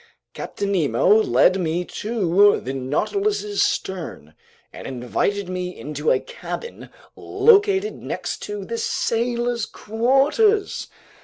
Captain Nemo led me to the Nautilus's stern and invited me into a cabin located next to the sailors' quarters.